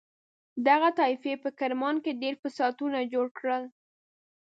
دغه طایفې په کرمان کې ډېر فسادونه جوړ کړل.